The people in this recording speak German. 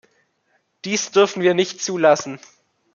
Dies dürfen wir nicht zulassen!